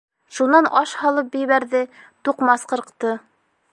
Шунан аш һалып ебәрҙе, туҡмас ҡырҡты.